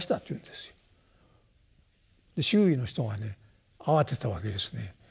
周囲の人がね慌てたわけですね。